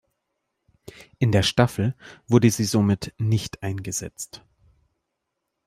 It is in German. In der Staffel wurde sie somit nicht eingesetzt.